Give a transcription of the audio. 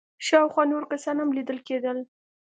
شاوخوا نور کسان هم ليدل کېدل.